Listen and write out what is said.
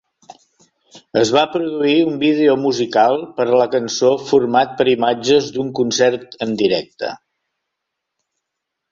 Es va produir un vídeo musical per a la cançó format per imatges d'un concert en directe.